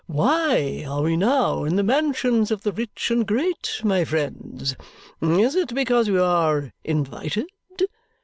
Why are we now in the mansions of the rich and great, my friends? Is it because we are invited?